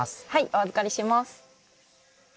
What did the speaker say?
お預かりします。